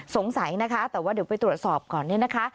สงสัยนะคะแต่ว่าเดี๋ยวไปตรวจสอบก่อนเนี่ยนะคะ